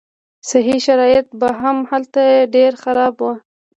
صحي شرایط به هم هلته ډېر خراب وو.